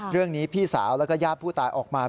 เรื่องนี้พี่สาวและก็ญาติผู้ตายออกมา